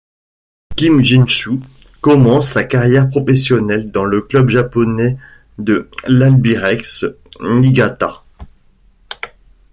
Kim Jin-su commence sa carrière professionnelle dans le club japonais de l'Albirex Niigata.